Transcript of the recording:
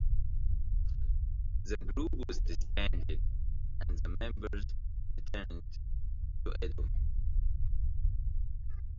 The group was disbanded and the members returned to Edo.